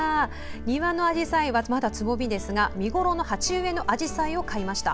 庭のアジサイはまだつぼみですが見頃の鉢植えのアジサイを買いました。